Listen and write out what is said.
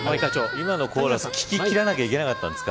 今のコーラス聞かなきゃいけなかったですか。